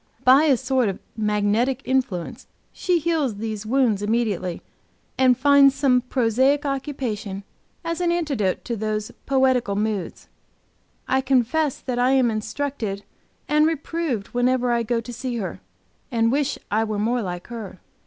By a sort of magnetic influence she heals these wounds immediately, and finds some prosaic occupation as an antidote to these poetical moods. I confess that I am instructed and reproved whenever I go to see her, and wish I were more like her.